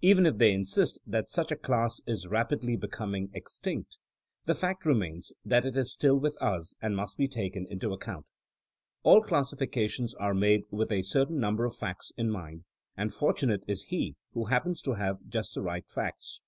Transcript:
Even if they in sist that such a class is rapidly becoming ex 54 THINEINO AS A SCIENCE tinct/' the fact remains that it is still with us and must be taken into account. All classifications are made with a certain number of facts in mind, and fortunate is he who happens to have just the right facts.